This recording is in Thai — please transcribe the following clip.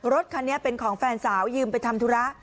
รถคันนี้เป็นของแฟนสาวยืมไปทำธุระ